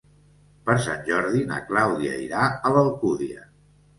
Per Sant Jordi na Clàudia irà a l'Alcúdia.